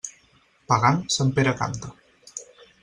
Pagant, Sant Pere canta.